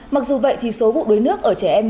mặc dù vậy thì số vụ đuối nước ở trẻ em